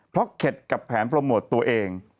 เพราะเข็ดกับแผนโปรโมทตัวเอง